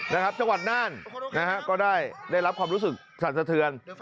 นะครับจังหวัดน่านก็ได้ได้รับความรู้สึกสรรสเทือน